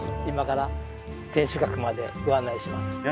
今から天守閣までご案内します。